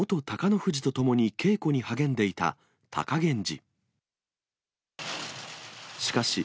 富士と共に稽古に励んでいた貴源治。